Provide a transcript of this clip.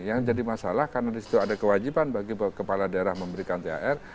yang jadi masalah karena disitu ada kewajiban bagi kepala daerah memberikan thr